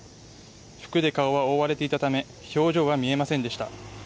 服で顔は覆われていたため表情は見えませんでした。